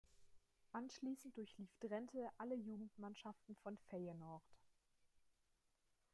Anschließend durchlief Drenthe alle Jugendmannschaften von Feyenoord.